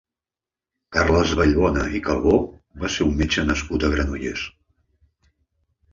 Carles Vallbona i Calbó va ser un metge nascut a Granollers.